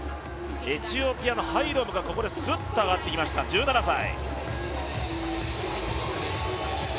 エチオピアのハイロムがここですっと上がってきました、１７歳。